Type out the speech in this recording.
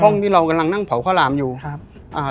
ที่เรากำลังนั่งเผาข้าวหลามอยู่ครับอ่า